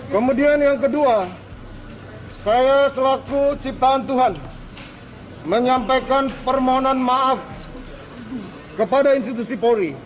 kemudian yang kedua saya selaku ciptaan tuhan menyampaikan permohonan maaf kepada institusi polri